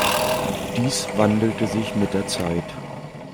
Dies wandelte sich mit der Zeit.